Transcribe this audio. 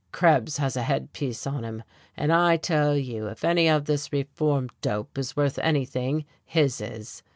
Krebs has a head piece on him, and I tell you if any of this reform dope is worth anything his is.